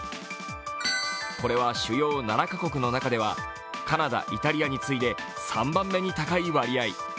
これは主要７カ国の中ではカナダ、イタリアに次いで３番目に高い割合。